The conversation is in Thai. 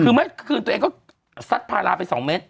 คือเมื่อคืนตัวเองก็ซัดพาราไป๒เมตร